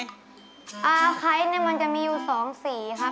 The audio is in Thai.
คล้ายมันจะมีอยู่๒สีครับ